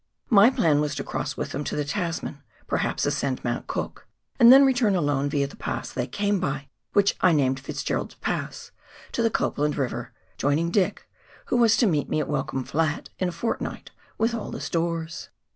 My plan was to cross with them to the Tasman, perhaps ascend Mount Cook, and then return alone, via the pass they came by — which I named Fitzgerald's Pass — to the Copland River, joining Dick, who was to meet me at Welcome Flat, in a fortnight, with all the stores.